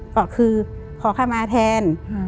ก็คือขอคำมาแทน